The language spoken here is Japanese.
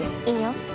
いいよ。